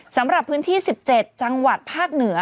สำหรับพื้นที่๑๗จังหวัดภาคเหนือ